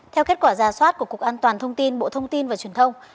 theo kết quả giả soát của cục an toàn thông tin bộ thông tin và truyền thông